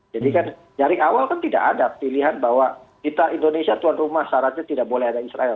jadi kan dari awal kan tidak ada pilihan bahwa kita indonesia tuan rumah syaratnya tidak boleh ada israel